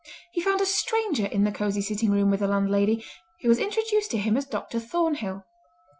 He found a stranger in the cosy sitting room with the landlady, who was introduced to him as Dr. Thornhill.